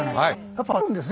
やっぱりあるんですね